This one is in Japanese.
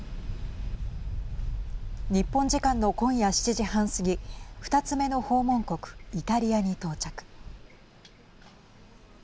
日本時間の今夜７時半過ぎ２つ目の訪問国イタリアに到着。